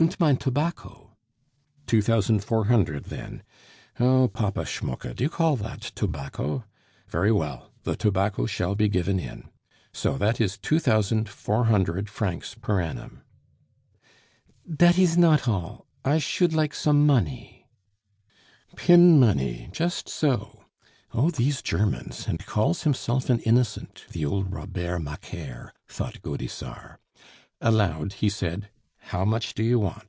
"Und mein tobacco." "Two thousand four hundred, then.... Oh! Papa Schmucke, do you call that tobacco? Very well, the tobacco shall be given in. So that is two thousand four hundred francs per annum." "Dat ees not all! I should like som monny." "Pin money! Just so. Oh, these Germans! And calls himself an innocent, the old Robert Macaire!" thought Gaudissart. Aloud he said, "How much do you want?